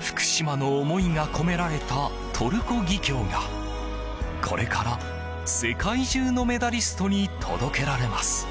福島の思いが込められたトルコギキョウがこれから世界中のメダリストに届けられます。